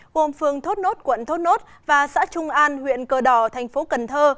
gồm phường thốt nốt quận thốt nốt và xã trung an huyện cờ đỏ thành phố cần thơ